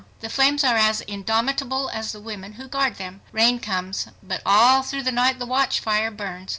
The flames are as indomitable as the women who guard them! Rain comes, but all through the night the watchfire burns.